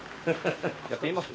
やってみます？